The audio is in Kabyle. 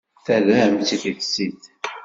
Terram-tt i tissit.